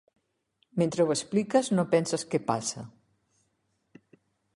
Mentre ho expliques no penses què passa.